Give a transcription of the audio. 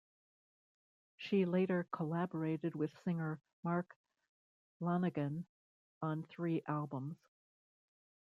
She later collaborated with singer Mark Lanegan on three albums.